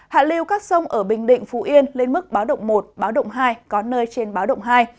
hạ liêu các sông ở bình định phú yên lên mức báo động một báo động hai có nơi trên báo động hai